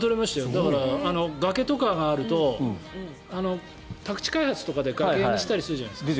だから、崖とかがあると宅地開発とかで崖にしたりするじゃないですか。